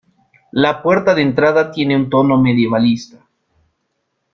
La puerta de entrada tiene un tono medievalista.